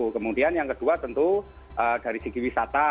kemudian yang kedua tentu dari segi wisata